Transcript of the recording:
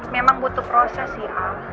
memang butuh proses sih